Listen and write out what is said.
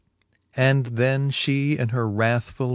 XIII. And then Ihe in her wrathful!